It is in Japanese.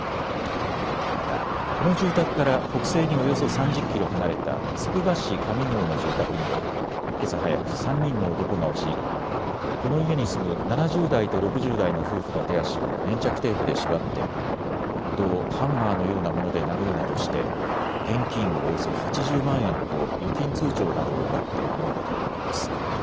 また、この住宅から北西におよそ３０キロ離れたつくば市上郷の住宅にもけさ早く３人の男が押し入りこの家に住む７０代と６０代の夫婦の手足を粘着テープで縛って夫をハンマーのようなもので殴るなどして現金およそ８０万円と預金通帳などを奪って逃げたということです。